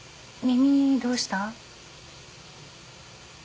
耳どうした？